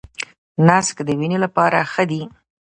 نسک د وینې لپاره ښه دي.